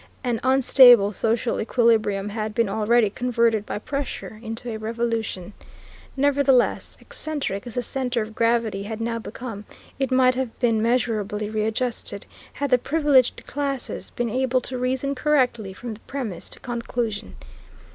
An unstable social equilibrium had been already converted by pressure into a revolution. Nevertheless, excentric as the centre of gravity had now become, it might have been measurably readjusted had the privileged classes been able to reason correctly from premise to conclusion.